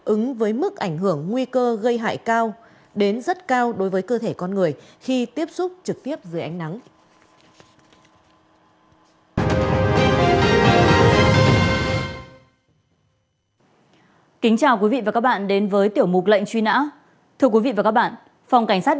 ứng với mức ảnh hưởng nguy cơ gây hại cao đến rất cao đối với cơ thể con người khi tiếp xúc trực tiếp dưới ánh nắng